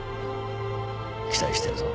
期待してんぞ。